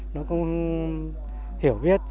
nó không hiểu viết